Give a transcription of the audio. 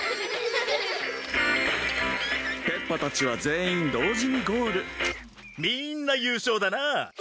ペッパたちは全員同時にゴールみんな優勝だな。